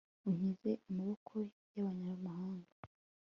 unkize amaboko y'abanyamahanga